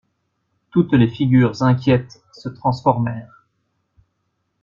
Toutes les figures inquiètes se transformèrent.